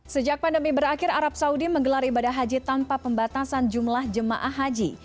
sejak pandemi berakhir arab saudi menggelar ibadah haji tanpa pembatasan jumlah jemaah haji